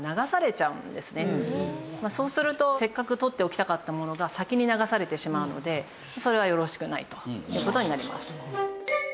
そうするとせっかくとっておきたかったものが先に流されてしまうのでそれはよろしくないという事になります。